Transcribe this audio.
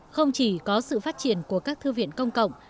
không chỉ có sự phát triển của các thư viện công cộng